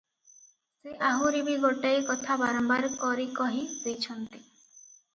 ସେ ଆହୁରି ବି ଗୋଟାଏ କଥା ବାରମ୍ବାର କରି କହି ଦେଇଛନ୍ତି ।